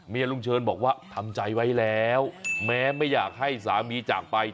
ลุงเชิญบอกว่าทำใจไว้แล้วแม้ไม่อยากให้สามีจากไป